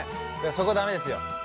そこ駄目ですよ。